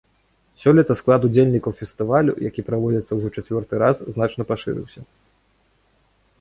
Сёлета склад удзельнікаў фестывалю, які праводзіцца ўжо чацвёрты раз, значна пашырыўся.